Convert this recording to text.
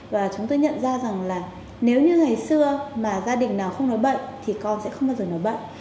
và chúng tôi nhận ra rằng là nếu như ngày xưa mà gia đình nào không nói bệnh thì con sẽ không bao giờ nói bệnh